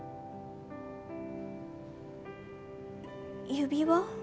指輪？